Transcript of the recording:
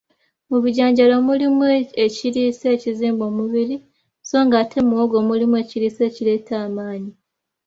Mu bijanjaalo mulimu ekiriisa ekizimba omubirii sso nga ate mu muwogo mulimu ekiriisa ekireeta amaanyi.